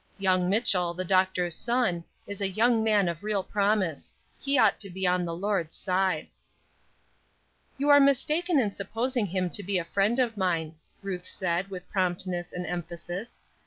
Young Mitchell, the doctor's son, is a young man of real promise; he ought to be on the Lord's side." "You are mistaken in supposing him to be a friend of mine," Ruth said, with promptness and emphasis.